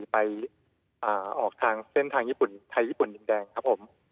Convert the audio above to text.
ไปออกทางเส้นทางญี่ปุ่นไทยญี่ปุ่นดินแดงครับผม